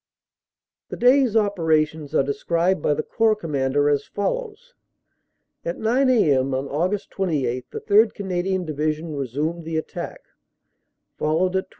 The day s operations are described by the Corps Com mander as follows : "At 9 a.m. on Aug. 28 the 3rd. Canadian Division resumed the attack, followed at 12.